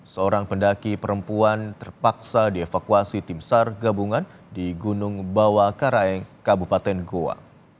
seorang pendaki perempuan terpaksa dievakuasi tim sar gabungan di gunung bawah karaeng kabupaten goa